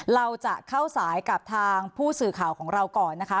เราจะเข้าสายกับทางผู้สื่อข่าวของเราก่อนนะคะ